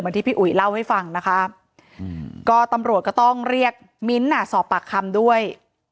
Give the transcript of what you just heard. ที่พี่อุ๋ยเล่าให้ฟังนะคะก็ตำรวจก็ต้องเรียกมิ้นท์สอบปากคำด้วย